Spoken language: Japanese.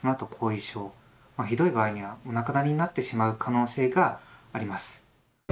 ひどい場合にはお亡くなりになってしまう可能性があります。